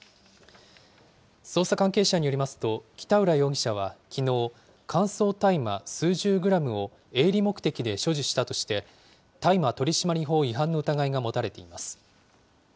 捜査関係者によりますと、北浦容疑者はきのう、乾燥大麻数十グラムを営利目的で所持したとして大麻取締法違反の疑いが持たれています。